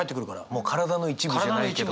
もう体の一部じゃないけど。